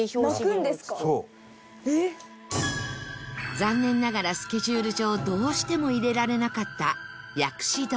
残念ながらスケジュール上どうしても入れられなかった